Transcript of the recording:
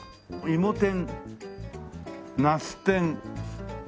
いも天ナス天